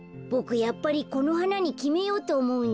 やっぱりこのはなにきめようとおもうんだ。